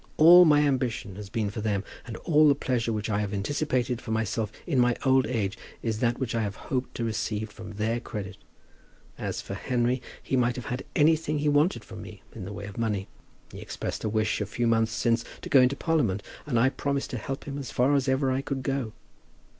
All my ambition has been for them, and all the pleasure which I have anticipated for myself in my old age is that which I have hoped to receive from their credit. As for Henry, he might have had anything he wanted from me in the way of money. He expressed a wish, a few months since, to go into Parliament, and I promised to help him as far as ever I could go.